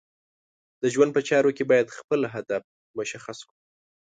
د ژوند په چارو کې باید خپل هدف مشخص کړو.